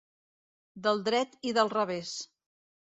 Del dret i del revés.